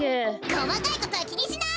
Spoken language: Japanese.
こまかいことはきにしない！